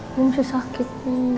oma masih sakit